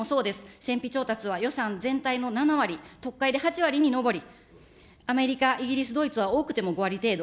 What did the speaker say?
戦費調達は予算全体の７割、特会で８割に上り、アメリカ、イギリス、ドイツは多くても５割程度。